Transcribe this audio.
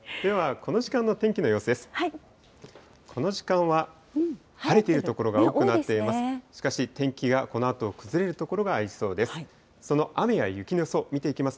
この時間は晴れている所が多くなっています。